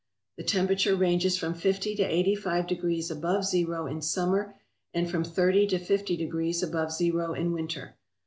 The temperature ranges from fifty to eighty five degrees above zero in summer and from thirty to fifty degrees above zero in winter.